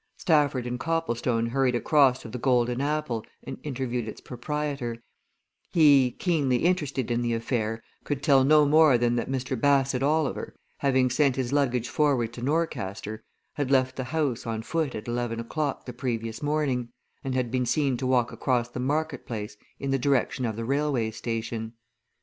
Stafford and Copplestone hurried across to the "Golden Apple" and interviewed its proprietor; he, keenly interested in the affair, could tell no more than that Mr. Bassett Oliver, having sent his luggage forward to Norcaster, had left the house on foot at eleven o'clock the previous morning, and had been seen to walk across the market place in the direction of the railway station.